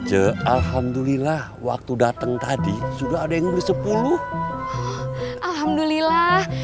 ce alhamdulillah waktu dateng tadi sudah ada yang sepuluh alhamdulillah